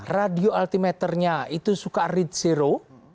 radio altimeternya itu suka rid zero